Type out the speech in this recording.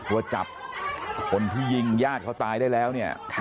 ว่าจับคนที่ยิงญาติเขาตายได้แล้วเนี่ย